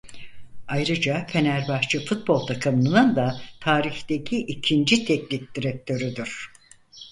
Ayrıca Fenerbahçe Futbol Takımı'nın da tarihteki ikinci teknik direktörüdür.